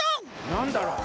なんだろう？